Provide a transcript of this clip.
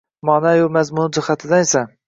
ma’no-yu mazmuni jihatidan esa...